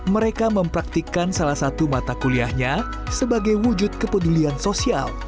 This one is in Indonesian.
mereka mempraktikkan salah satu mata kuliahnya sebagai wujud kepedulian sosial